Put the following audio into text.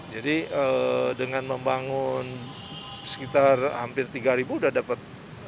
jadi dengan membangun sekitar hampir tiga sudah dapat